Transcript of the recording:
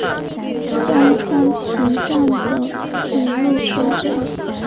江川崎站的铁路车站。